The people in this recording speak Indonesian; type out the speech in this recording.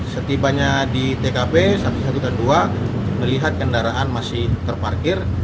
setibanya di tkp satu satu dan dua melihat kendaraan masih terparkir